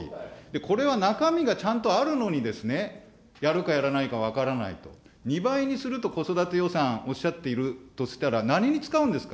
これは中身がちゃんとあるのにですね、やるかやらないか分からないと、２倍にすると、子育て予算おっしゃっているとしたら、何に使うんですか。